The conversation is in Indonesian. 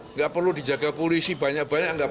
nggak perlu dijaga polisi banyak banyak